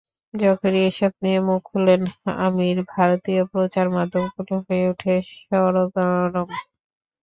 যখনই এসব নিয়ে মুখ খোলেন আমির, ভারতীয় প্রচারমাধ্যমগুলো হয়ে ওঠে সরগরম।